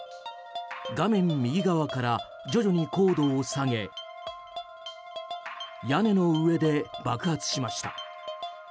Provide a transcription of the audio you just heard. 画面右側から徐々に高度を上げ屋根の上で爆発しました。